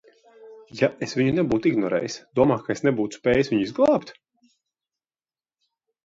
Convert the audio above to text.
Ja es viņu nebūtu ignorējis, domā, ka es nebūtu spējis viņu izglābt?